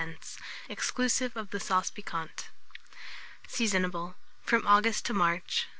exclusive of the sauce piquante. Seasonable from August to March.